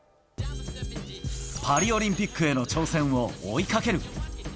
パリオリンピックへの挑戦を追いかける。